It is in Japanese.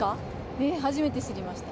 えー、初めて知りました。